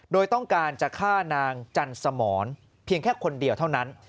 โดยต้องการจะฆ่านางจันสมรเพียงแค่คนเดียวเท่านั้น